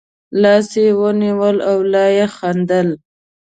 لاس یې ونیو او لا یې خندل.